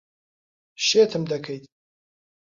شێتم دەکەیت.